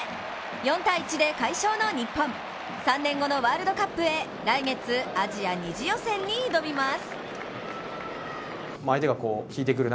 ４−１で快勝の日本、３年後のワールドカップへ来月アジア２次予選に挑みます。